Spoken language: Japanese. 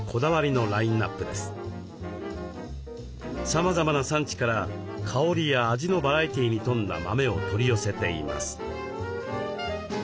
さまざまな産地から香りや味のバラエティーに富んだ豆を取り寄せています。